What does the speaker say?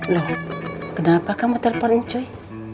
loh kenapa kamu telfon cuy